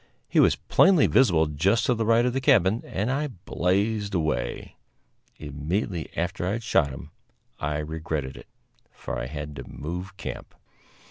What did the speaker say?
He was plainly visible just to the right of the cabin, and I blazed away. Immediately after I had shot him I regretted it, for I had to move camp.